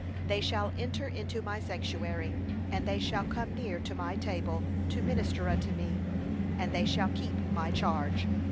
They shall enter into my sanctuary, and they shall come near to my table, to minister unto me, and they shall keep my charge.'